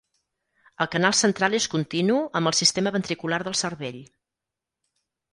El canal central és continu amb el sistema ventricular del cervell.